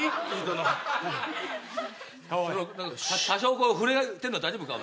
多少震えてるの大丈夫か？